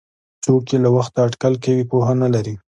څوک چې له وخته اټکل کوي پوهه نه لري.